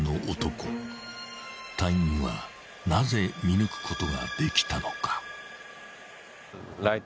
［隊員はなぜ見抜くことができたのか］